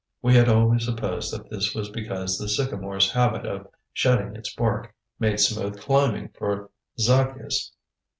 We had always supposed that this was because the sycamore's habit of shedding its bark made smooth climbing for Zaccheus.